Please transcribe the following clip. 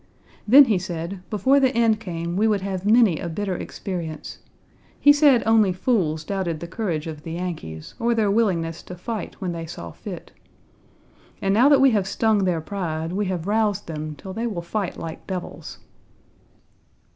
Then he said, before the end came we would have many a bitter experience. He said only fools doubted the courage of the Yankees, or their willingness to fight when they saw fit. And now that we have stung their pride, we have roused them till they will fight like devils.